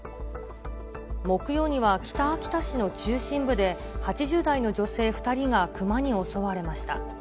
木曜には北秋田市の中心部で８０代の女性２人がクマに襲われました。